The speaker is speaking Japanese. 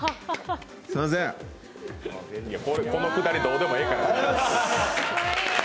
このくだり、どうでもええから。